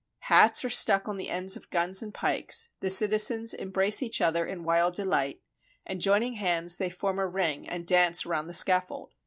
Hats are stuck on the ends of guns and pikes, the citizens embrace each other in wild delight, and joining hands, they form a ring and dance round the scaffold.